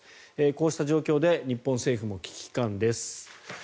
こうした状況で日本政府も危機感です。